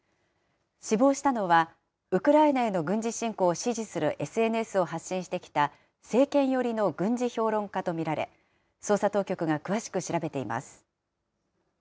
死亡したのは、ウクライナへの軍事侵攻を支持するＳＮＳを発信してきた、政権寄りの軍事評論家と見られ、捜査当局が詳しく調べています。